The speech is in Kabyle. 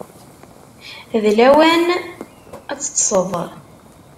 D lawan ad teṭṭseḍ.